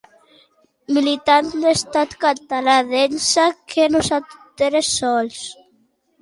Militant d'Estat Català d'ençà que Nosaltres Sols!